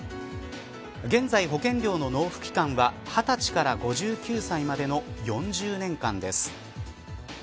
現在、保険料の納付期間は２０歳から５９歳までの４０年間です。